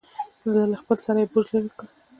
له خپل سره یې بوج لرې کړ.